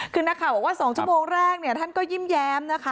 คือนักข่าวบอกว่า๒ชั่วโมงแรกเนี่ยท่านก็ยิ้มแย้มนะคะ